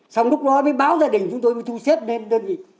xong lúc đó mới báo gia đình chúng tôi mới thu xếp lên đơn vị